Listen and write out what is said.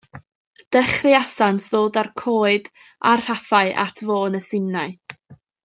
Dechreuasant ddod a'r coed a'r rhaffau at fôn y simnai.